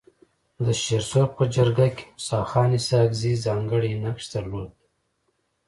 د شيرسرخ په جرګه کي موسي خان اسحق زي ځانګړی نقش درلود.